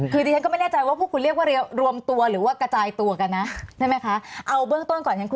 คือจริงฉันไม่แน่ใจว่าพวกคุณเรียกว่ารวมตัวหรือว่ากระจายตัวกันนะคะ